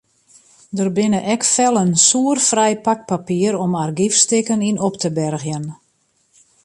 Der binne ek fellen soerfrij pakpapier om argyfstikken yn op te bergjen.